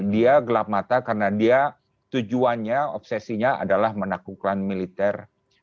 dia gelap mata karena dia tujuannya obsesinya adalah menaklukkan militer